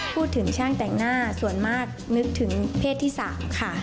พูดถึงช่างแต่งหน้าส่วนมากนึกถึงเพศที่๓ค่ะ